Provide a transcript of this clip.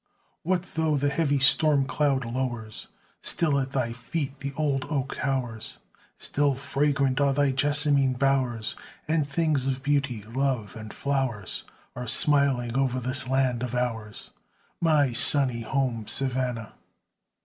What though the heavy storm cloud lowers, Still at thy feet the old oak towers; Still fragrant are thy jessamine bowers, And things of beauty, love, and flowers Are smiling o'er this land of ours, My sunny home, Savannah!